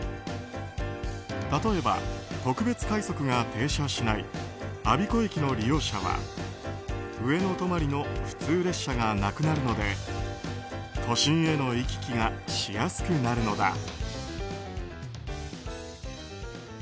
例えば、特別快速が停車しない我孫子駅の利用者は上野止まりの普通列車がなくなるので都心への行き来がしやすくなるのだ。